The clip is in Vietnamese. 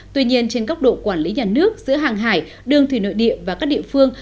tuy nhiên trên góc độ quản lý nhà nước giữa hàng hải đường thủy nội địa và các địa phương